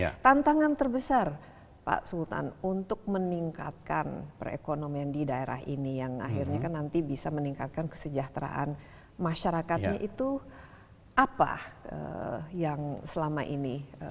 jadi kekurangan terbesar pak sultan untuk meningkatkan perekonomian di daerah ini yang akhirnya kan nanti bisa meningkatkan kesejahteraan masyarakatnya itu apa yang selama ini